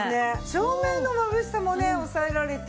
照明のまぶしさもね抑えられて。